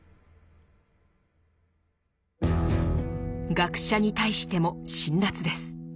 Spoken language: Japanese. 学者に対しても辛辣です。